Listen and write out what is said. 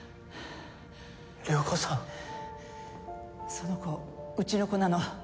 その子うちの子なの。